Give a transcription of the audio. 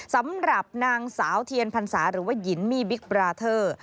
สำหรับนางสาวเทียนพรรษาหรือว่าหญิงมี่บิ๊กบราเทอร์